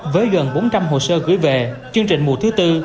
với gần bốn trăm linh hồ sơ gửi về chương trình mùa thứ tư